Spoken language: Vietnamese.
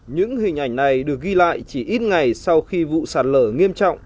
những hình ảnh này được ghi lại chỉ ít ngày sau khi vụ sạt lở nghiêm trọng